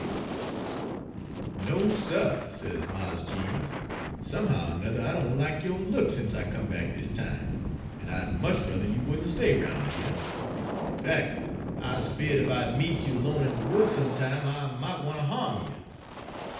Page 97 " 'No, suh,' sez Mars Jeems, 'somehow er 'nuther I doan lack yo' looks sence I come back dis time, en I'd much ruther you wouldn' stay roun' heah. Fac', I's feared ef I'd meet you alone in de woods some time, I mought wanter ha'm you.